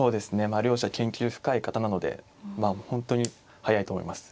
まあ両者研究深い方なので本当に速いと思います。